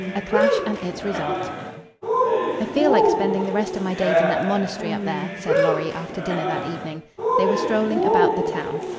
A CLASH AND IT'S RESULT "I feel like spending the rest of my days in that monastery up there," said Lorry, after dinner that evening. They were strolling about the town.